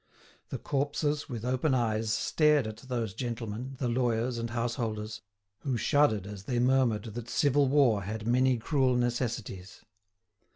The corpses, with open eyes, stared at those gentlemen, the lawyers and householders, who shuddered as they murmured that civil war had many cruel necessities.